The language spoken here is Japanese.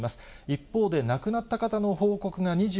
一方で亡くなった方の報告が２７人。